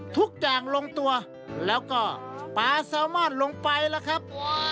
ทุกอย่างลงตัวแล้วก็ปลาแซลมอนลงไปล่ะครับ